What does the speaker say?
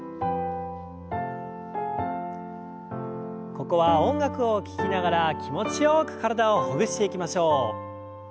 ここは音楽を聞きながら気持ちよく体をほぐしていきましょう。